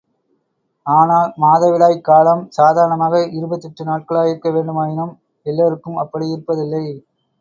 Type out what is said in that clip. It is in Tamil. ஆனால் மாதவிடாய்க் காலம் சாதாரணமாக இருபத்தெட்டு நாட்களாயிருக்க வேண்டுமாயினும் எல்லோருக்கும் அப்படி யிருப்பதில்லை.